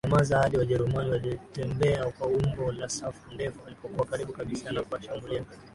walinyamaza hadi Wajerumani waliotembea kwa umbo la safu ndefu walipokuwa karibu kabisa na kuwashambulia